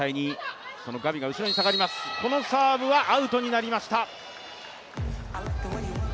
サーブはアウトになりました。